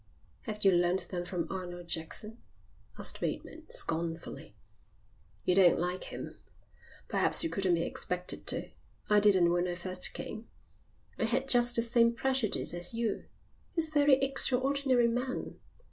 "Have you learnt them from Arnold Jackson?" asked Bateman, scornfully. "You don't like him? Perhaps you couldn't be expected to. I didn't when I first came. I had just the same prejudice as you. He's a very extraordinary man.